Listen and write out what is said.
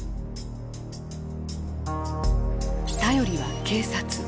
頼りは警察。